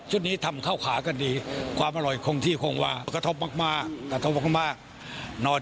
ฮะก็ต้องถ่ายกัน